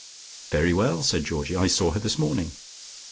"Very well," said Georgie. "I saw her this morning."